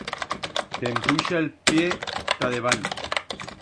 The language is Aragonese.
T'empuixa el piet ta debant.